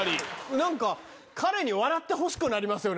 なんか、彼に笑ってほしくなりますよね。